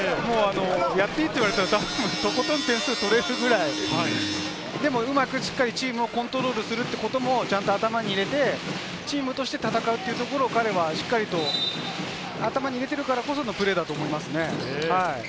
やっていいって言われたら、とことん点数取れるくらい、でもうまくしっかりチームをコントロールすることも頭に入れて、チームとして戦うというところを彼はしっかり頭に入れてるからこそのプレーだと思いますね。